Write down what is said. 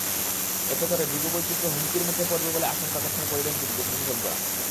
এতে করে জীববৈচিত্র্য হুমকির মুখে পড়বে বলে আশঙ্কা করছেন পরিবেশ বিশেষজ্ঞরা।